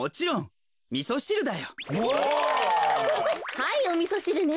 はいおみそしるね。